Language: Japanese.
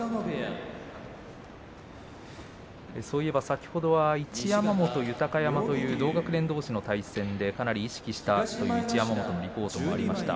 そういえば先ほど一山本豊山という同学年どうしの対戦でかなり意識したという一山本のリポートもありました。